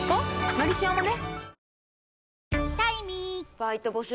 「のりしお」もね